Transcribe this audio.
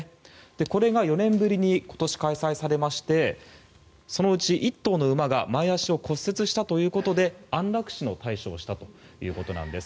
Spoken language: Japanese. これが４年ぶりに今年、開催されましてそのうち１頭の馬が前足を骨折したということで安楽死の対処をしたということです。